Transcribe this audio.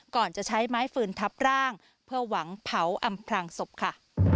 ก่อนจะใช้ไม้ฟืนทับร่างเพื่อหวังเผาอำพลางศพค่ะ